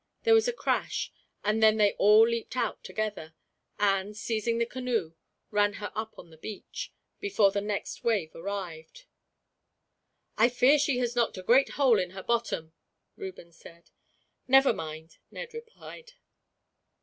There was a crash, and then they all leaped out together and, seizing the canoe, ran her up on the beach, before the next wave arrived. "I fear she has knocked a great hole in her bottom," Reuben said. "Never mind," Ned replied.